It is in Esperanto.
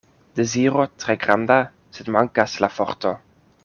Deziro tre granda, sed mankas la forto.